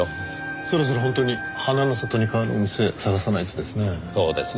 そろそろ本当に花の里に代わるお店探さないとですね。